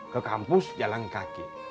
ke kampus jalan kaki